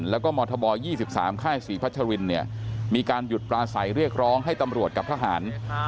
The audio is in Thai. แล้วก็มธบ๒๓ค่ายศรีพัชรินเนี่ยมีการหยุดปลาใสเรียกร้องให้ตำรวจกับทหาร